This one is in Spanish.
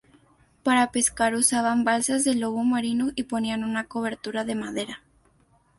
Para pescar usaban balsas de lobo marino y ponían una cobertura de madera.